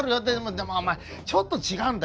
でもお前ちょっと違うんだ。